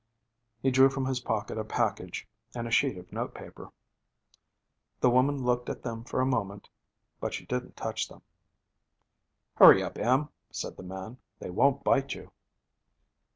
He drew from his pocket a package and a sheet of notepaper. The woman looked at them for a moment, but she didn't touch them. 'Hurry up, Em,' said the man. 'They won't bite you.'